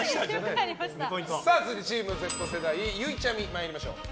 続いてチームＺ世代ゆいちゃみ参りましょう。